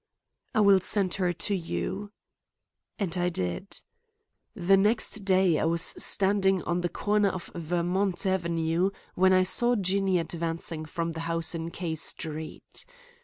"I will send her to you." And I did. The next day I was standing on the corner of Vermont Avenue when I saw Jinny advancing from the house in K Street.